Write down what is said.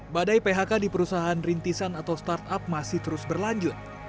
badai phk di perusahaan rintisan atau startup masih terus berlanjut